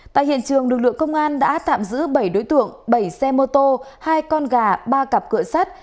tại hiện trường lực lượng công an đã tạm giữ bảy đối tượng bảy xe mô tô hai con gà ba cặp cửa sắt